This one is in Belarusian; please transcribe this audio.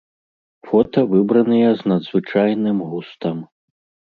Фота выбраныя з надзвычайным густам.